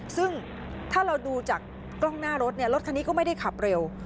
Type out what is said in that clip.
ซึ่งถ้าเราดูจากกล้องหน้ารถเนี่ยรถคันนี้ก็ไม่ได้ขับเร็ว